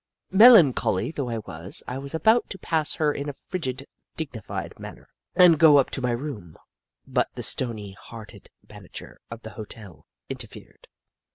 Melancholy though I was, I was about to pass her in a frigid, dignified manner, and go up to my room, but the stony hearted manager of the hotel interfered.